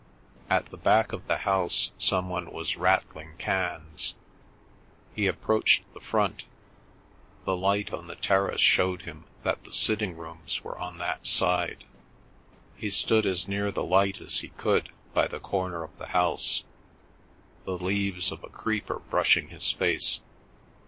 At the back of the house some one was rattling cans. He approached the front; the light on the terrace showed him that the sitting rooms were on that side. He stood as near the light as he could by the corner of the house, the leaves of a creeper brushing his face.